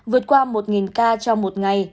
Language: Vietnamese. vượt qua một ca trong một ngày